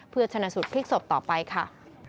เพื่อชนะสูตรพลิกศพต่อไปค่ะ